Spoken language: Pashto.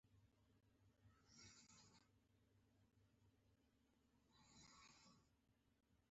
هر سړی د خپلو هغو افکارو تر اغېز لاندې دی.